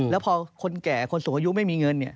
แล้วพอคนแก่คนสูงอายุไม่มีเงินเนี่ย